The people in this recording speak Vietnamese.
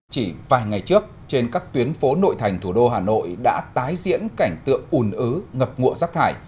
chỉ vài ngày trước trên các tuyến phố nội thành thủ đô hà nội đã tái diễn cảnh tượng ùn ứ ngập ngụa rắc thải